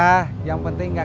saya sama jupri mau dukung kamu